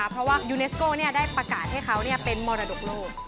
เพราะว่ายูเนสโก้ได้ประกาศให้เขาเป็นมรดกโลก